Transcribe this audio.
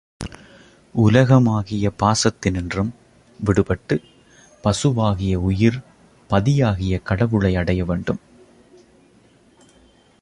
உலகமாகிய பாசத்தினின்றும் விடுபட்டு, பசுவாகிய உயிர், பதியாகிய கடவுளை அடைய வேண்டும்.